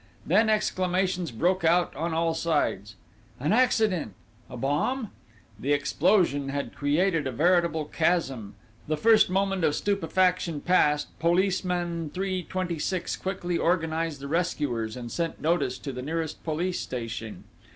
Then exclamations broke out on all sides. "'An accident?' "'A bomb?' "The explosion had created a veritable chasm. The first moment of stupefaction past, policeman 326 quickly organised the rescuers, and sent notice to the nearest police station.